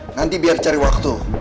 nanti biar cari waktu